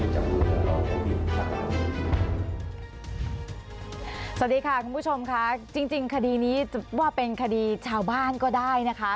สวัสดีค่ะคุณผู้ชมค่ะจริงคดีนี้ว่าเป็นคดีชาวบ้านก็ได้นะคะ